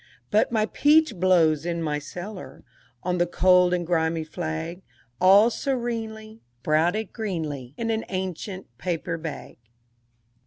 But my "peachblows" in the cellar, On the cold and grimy flag, All serenely Sprouted greenly In an ancient paper bag.